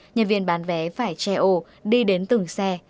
nhân viên bán vé phải che ô đi đến từng xe